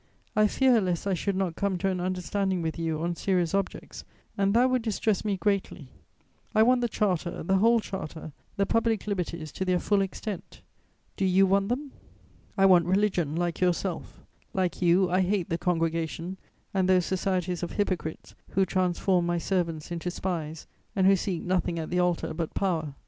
I fear lest I should not come to an understanding with you on serious objects, and that would distress me greatly! I want the Charter, the whole Charter, the public liberties to their full extent. Do you want them? "I want religion, like yourself; like you, I hate the Congregation and those societies of hypocrites who transform my servants into spies and who seek nothing at the altar but power.